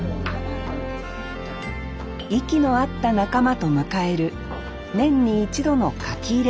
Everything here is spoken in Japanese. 息の合った仲間と迎える年に一度の書き入れ時です